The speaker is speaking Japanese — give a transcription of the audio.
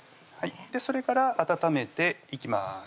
それから温めていきます